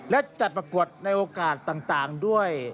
และจัดประกวดในโอกาสต่างด้วย